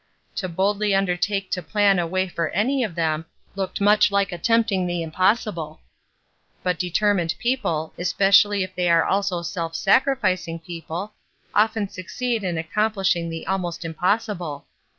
To boldly undertake to plan a way for any of them looked much like attempting the impossible. But determined people, especially if they are also self sacrificing people, often succeed in accomplishing the al most impossible.